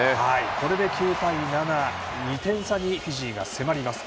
これで９対７２点差にフィジーが迫ります。